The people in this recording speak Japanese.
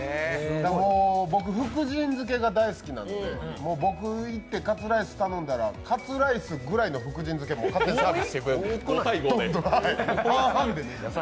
もう僕、福神漬けが大好きなので僕、行ってカツライス頼んだらカツライスぐらいの福神漬けもサービスしてくくれる。